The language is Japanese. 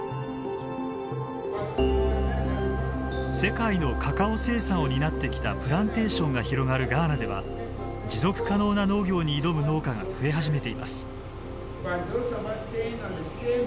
世界のカカオ生産を担ってきたプランテーションが広がるガーナでは持続可能な農業に挑む農家が増え始めています。